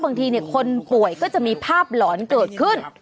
บางทีคนป่วยก็จะมีภาพหลอนเกิดขึ้น